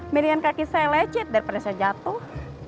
mirian kaki saya lecet daripada saya jatuh